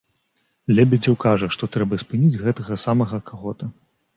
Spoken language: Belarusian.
Лебедзеў кажа, што трэба спыніць гэтага самага каго-то.